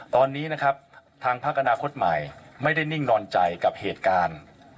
ตอนนี้นะครับทางพักอนาคตใหม่ไม่ได้นิ่งนอนใจกับเหตุการณ์